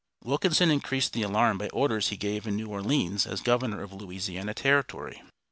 Wilkinson increased the alarm by orders he gave in New Orleans as governor of Louisiana Territory.